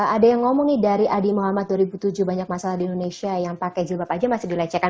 ada yang ngomong nih dari adi muhammad dua ribu tujuh banyak masalah di indonesia yang pakai jilbab aja masih dilecehkan